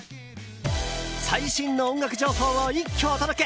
最新の音楽情報を一挙お届け！